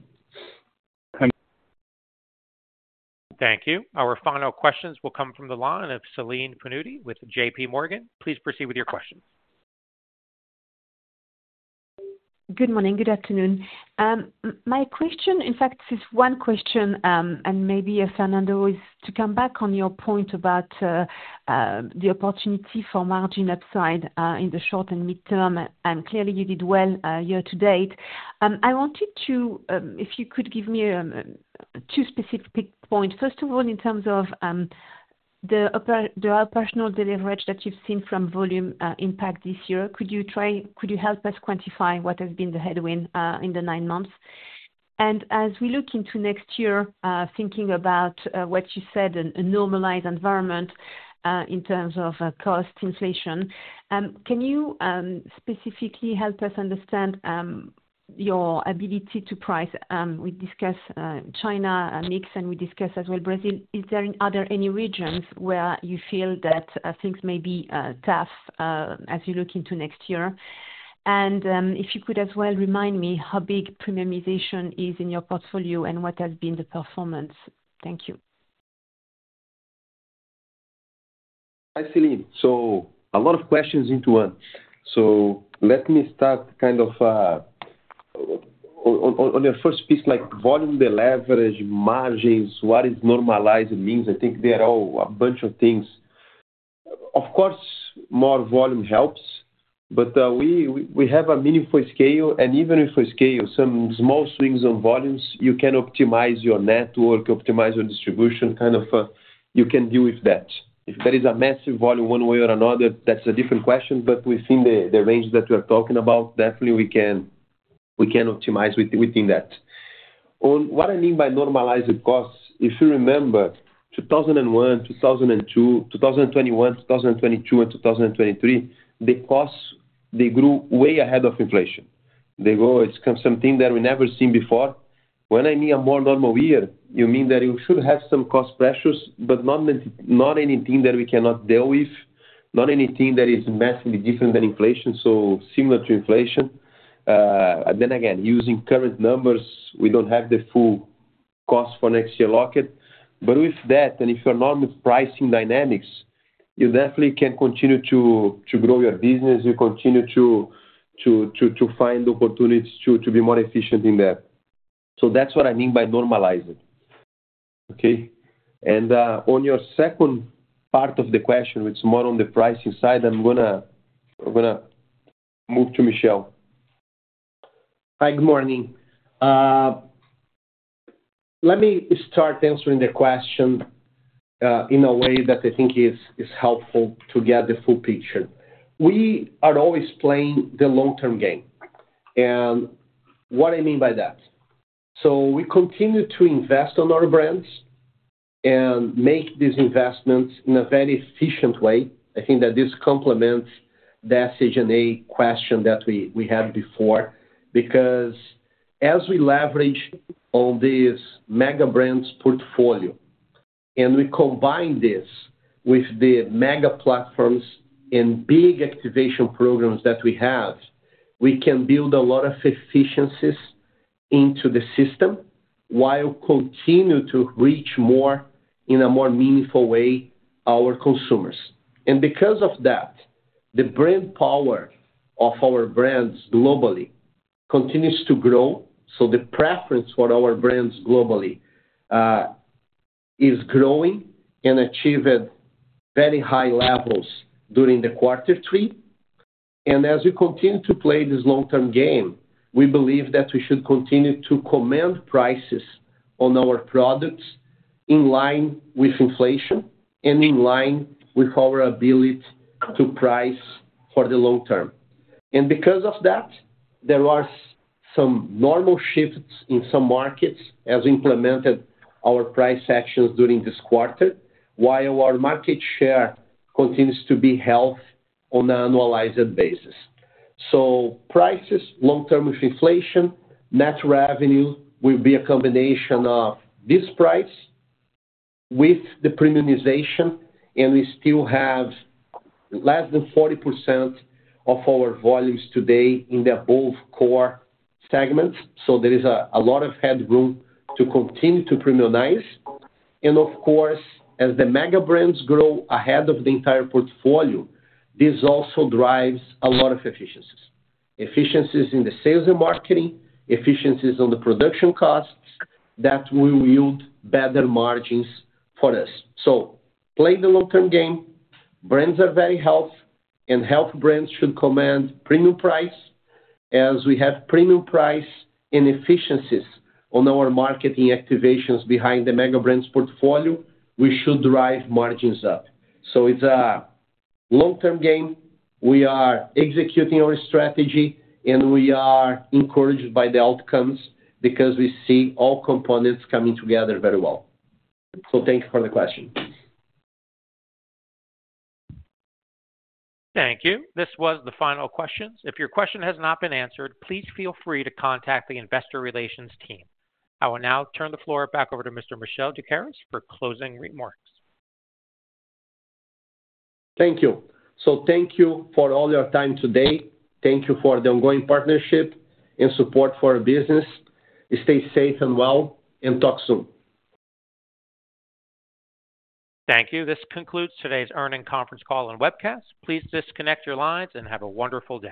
Thank you. Our final questions will come from the line of Celine Pannuti with JP Morgan. Please proceed with your questions. Good morning. Good afternoon. My question, in fact, is one question, and maybe Fernando is to come back on your point about the opportunity for margin upside in the short and midterm. And clearly, you did well year to date. I wanted to, if you could give me two specific points. First of all, in terms of the operational delivery that you've seen from volume impact this year, could you help us quantify what has been the headwind in the nine months? And as we look into next year, thinking about what you said, a normalized environment in terms of cost inflation, can you specifically help us understand your ability to price? We discussed China mix, and we discussed as well Brazil. Are there any regions where you feel that things may be tough as you look into next year? And if you could as well remind me how big premiumization is in your portfolio and what has been the performance? Thank you. Hi, Celine. A lot of questions into one. Let me start on your first piece, like volume, the leverage, margins, what is normalized means. They are all a bunch of things. More volume helps, but we have a meaningful scale, and even if we scale some small swings on volumes, you can optimize your network, optimize your distribution, you can deal with that. If there is a massive volume one way or another, that's a different question, but within the range that we're talking about, definitely we can optimize within that. What I mean by normalized costs, if you remember 2001, 2002, 2021, 2022, and 2023, the costs, they grew way ahead of inflation. They grow, it's something that we never seen before. When a more normal year, you mean that you should have some cost pressures, but not anything that we cannot deal with, not anything that is massively different than inflation, so similar to inflation. Then again, using current numbers, we don't have the full cost for next year locked. But with that, and if you're not with pricing dynamics, you definitely can continue to grow your business, you continue to find opportunities to be more efficient in that. That's what I mean by normalizing. And on your second part of the question, which is more on the pricing side, I'm going to move to Michel. Hi, good morning. Let me start answering the question in a way that is helpful to get the full picture. We are always playing the long-term game. And what I mean by that? So we continue to invest on our brands and make these investments in a very efficient way. That this complements the SG&A question that we had before because as we leverage on these Mega Brands' portfolio and we combine this with the mega platforms and big activation programs that we have, we can build a lot of efficiencies into the system while continuing to reach more in a more meaningful way our consumers. And because of that, the brand power of our brands globally continues to grow. The preference for our brands globally is growing and achieved at very high levels during the quarter three. And as we continue to play this long-term game, we believe that we should continue to command prices on our products in line with inflation and in line with our ability to price for the long term. And because of that, there are some normal shifts in some markets as we implemented our price actions during this quarter while our market share continues to be healthy on an annualized basis. Prices, long-term inflation, net revenue will be a combination of this price with the premiumization, and we still have less than 40% of our volumes today in the above core segments. There is a lot of headroom to continue to premiumize. And of course, as the Mega Brands grow ahead of the entire portfolio, this also drives a lot of efficiencies. Efficiencies in the sales and marketing, efficiencies on the production costs that will yield better margins for us. Play the long-term game. Brands are very healthy, and healthy brands should command premium price. As we have premium price and efficiencies on our marketing activations behind the mega brands' portfolio, we should drive margins up. It's a long-term game. We are executing our strategy, and we are encouraged by the outcomes because we see all components coming together very well. Thank you for the question. Thank you. This was the final questions. If your question has not been answered, please feel free to contact the investor relations team. I will now turn the floor back over to Mr. Michel Doukeris for closing remarks. Thank you. Thank you for all your time today. Thank you for the ongoing partnership and support for our business. Stay safe and well, and talk soon. Thank you. This concludes today's earnings conference call and webcast. Please disconnect your lines and have a wonderful day.